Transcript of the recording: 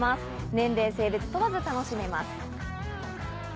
年齢性別問わず楽しめます。